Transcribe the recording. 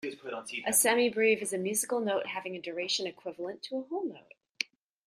A semibrieve is a musical note having a duration equivalent to a whole note